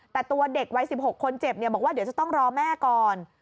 แต่ตัวเด็กวัย๑๖คนเจ็บบอกว่าเดี๋ยวจะต้องรอแม่ก่อน